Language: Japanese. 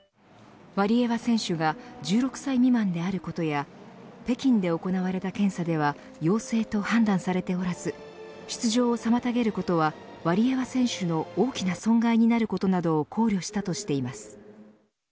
ワリエワ選手が１６歳未満であることや北京で行われた検査では陽性と判断されておらず出場を妨げることはワリエワ選手の大きな損害になることなどを考慮したとしています。